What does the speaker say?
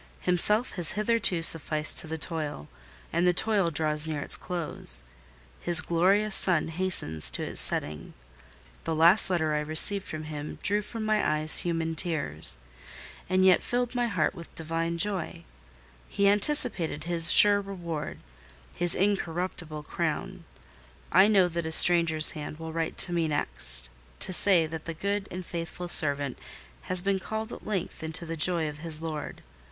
Himself has hitherto sufficed to the toil, and the toil draws near its close: his glorious sun hastens to its setting. The last letter I received from him drew from my eyes human tears, and yet filled my heart with divine joy: he anticipated his sure reward, his incorruptible crown. I know that a stranger's hand will write to me next, to say that the good and faithful servant has been called at length into the joy of his Lord.